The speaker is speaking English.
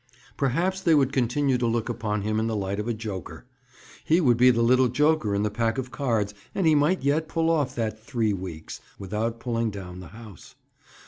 Perhaps they would continue to look upon him in the light of a joker. He would be the little joker in the pack of cards and he might yet pull off that "three weeks" without pulling down the house.